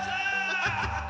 アハハハ！